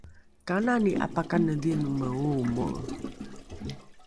kanani ’apakanedhinome oomoe?